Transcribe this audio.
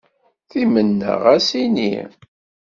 Timenna ɣas ini.